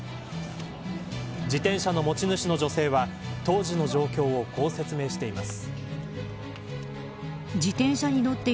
自転車の持ち主の女性は当時の状況をこう説明しています。